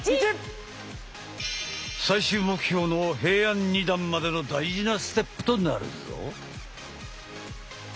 最終目標の平安二段までの大事なステップとなるぞ！